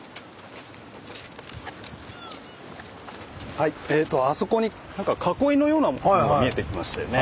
はいあそこになんか囲いのようなもの見えてきましたよね。